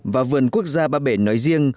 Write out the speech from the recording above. và vườn quốc gia ba bể nói riêng